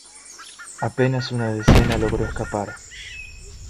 Apenas una decena logró escapar.